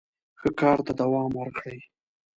ښه کار ته دوام ورکړئ.